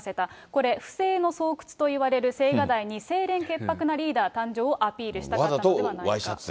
これ、不正の巣窟といわれる青瓦台に清廉潔白なリーダー誕生をアピールしたかったのではないか。